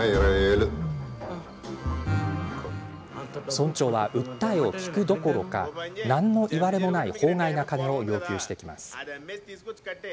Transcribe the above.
村長は訴えを聞くどころかなんの言われもない法外な金を要求してきます。